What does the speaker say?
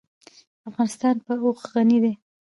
افغانستان په اوښ غني دی.